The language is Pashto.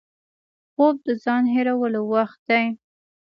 خوب د ځان هېرولو وخت دی